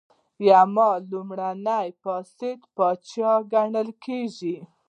یما لومړنی افسانوي پاچا ګڼل کیږي